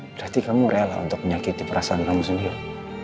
berarti kamu rela untuk menyakiti perasaan kamu sendiri